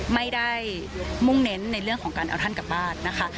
ไม่ได้มุ่งเน้นในเรื่องของการเอาท่านกลับบ้านนะคะ